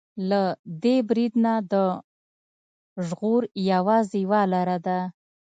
له دې برید نه د ژغور يوازې يوه لاره ده.